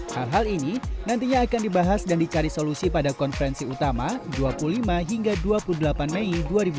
hal hal ini nantinya akan dibahas dan dicari solusi pada konferensi utama dua puluh lima hingga dua puluh delapan mei dua ribu dua puluh